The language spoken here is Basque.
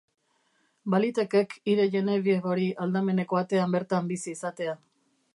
Balitekek hire Genevieve hori aldameneko atean bertan bizi izatea.